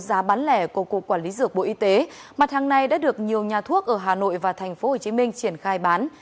giá bán lẻ của cục quản lý dược bộ y tế mặt hàng này đã được nhiều nhà thuốc ở hà nội và tp hcm triển khai bán